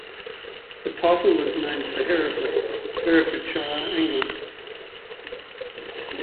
The title is named for Hereford, Herefordshire, England.